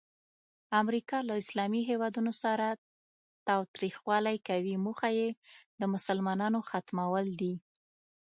امریکا له اسلامي هیوادونو سره تاوتریخوالی کوي، موخه یې د مسلمانانو ختمول دي.